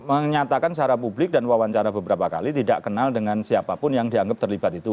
menyatakan secara publik dan wawancara beberapa kali tidak kenal dengan siapapun yang dianggap terlibat itu